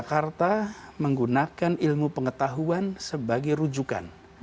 jakarta menggunakan ilmu pengetahuan sebagai rujukan